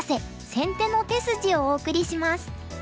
先手の手筋」をお送りします。